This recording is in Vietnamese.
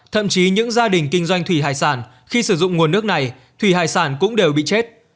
thậm chí những gia đình kinh doanh thủy hải sản khi sử dụng nguồn nước này thủy hải sản cũng đều bị chết